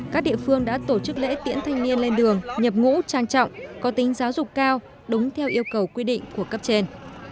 các địa phương đã tổ chức lễ tiễn thanh niên lên đường nhập ngũ trang trọng có tính giáo dục cao đúng theo yêu cầu quy định của cấp trên